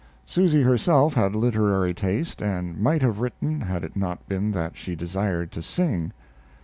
Susy herself had literary taste and might have written had it not been that she desired to sing.